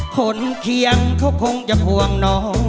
เคียงเขาคงจะห่วงน้อง